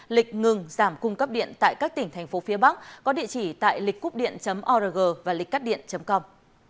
lịch ngừng giảm cung cấp điện tại các tỉnh thành phố phía bắc có địa chỉ tại lịchcúpdien org và lịchcắtdien com